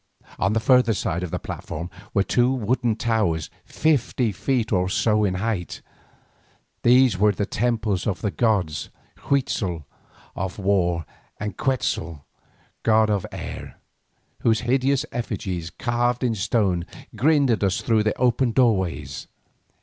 On the further side of the platform were two wooden towers fifty feet or so in height. These were the temples of the gods, Huitzel God of War and Quetzal God of the Air, whose hideous effigies carved in stone grinned at us through the open doorways.